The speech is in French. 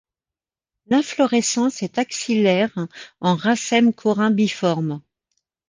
L’inflorescence est axillaire en racème corymbiforme.